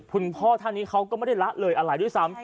คุณพ่อท่านนี้เขาก็ไม่ได้ละเลยอะไรด้วยซ้ำ